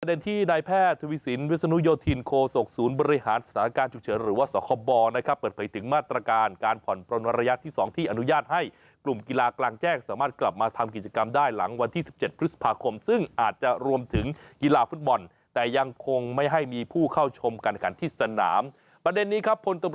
ที่นายแพทย์ทวีสินวิศนุโยธินโคศกศูนย์บริหารสถานการณ์ฉุกเฉินหรือว่าสคบนะครับเปิดเผยถึงมาตรการการผ่อนปลนระยะที่๒ที่อนุญาตให้กลุ่มกีฬากลางแจ้งสามารถกลับมาทำกิจกรรมได้หลังวันที่๑๗พฤษภาคมซึ่งอาจจะรวมถึงกีฬาฟุตบอลแต่ยังคงไม่ให้มีผู้เข้าชมการขันที่สนามประเด็นนี้ครับพลต